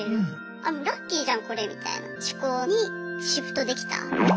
あもうラッキーじゃんこれみたいな思考にシフトできた。